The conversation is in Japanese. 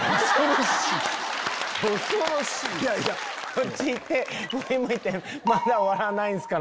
こっち行って前向いてまだ終わらないんすか？